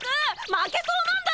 負けそうなんだ！